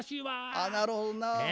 なるほどな。